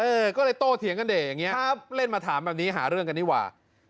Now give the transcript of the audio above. เออก็เลยโตเถียงกันเด่อย่างนี้ครับเล่นมาถามแบบนี้หาเรื่องกันดีกว่า